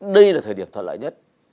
đây là thời điểm thuận lợi nhất